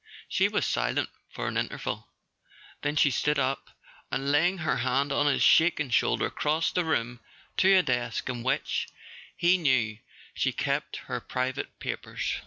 She was silent for an interval; then she stood up, and laying her hand on his shaking shoulder crossed the room to a desk in which he knew she kept her pri¬ vate papers.